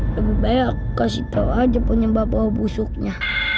lebih baik kasih tau aja penyembah bau busuknya